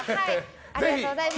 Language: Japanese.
ありがとうございます。